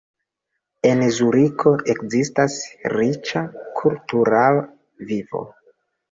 En Zuriko ekzistas riĉa kultura vivo.